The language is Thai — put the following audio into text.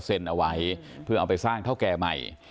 เอาไว้เพื่อเอาไปสร้างเท่าแก่ใหม่